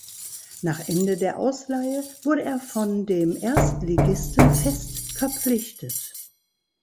Nach Ende der Ausleihe wurde er von dem Erstligisten fest verpflichtet.